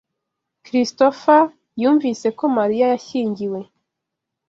Christopher yumvise ko Mariya yashyingiwe.